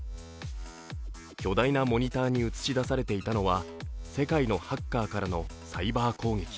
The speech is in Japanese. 巨大なモニターに映し出されていたのは世界のハッカーからのサイバー攻撃。